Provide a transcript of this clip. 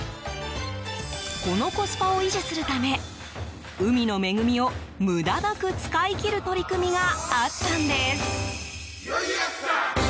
このコスパを維持するため海の恵みを無駄なく使い切る取り組みがあったんです。